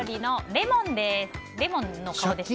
レモンの顔でした？